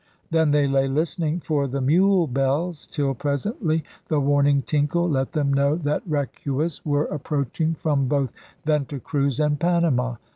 Then they lay listening for the mule bells, till presently the warning tinkle let them know that r ecu as were approaching from both Venta Cruz and Panama.